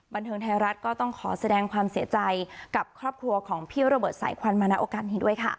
บันเทิงไทยรัฐก็ต้องขอแสดงความเสียใจกับครอบครัวของพี่โรเบิร์ตสายควันมาณโอกาสนี้ด้วยค่ะ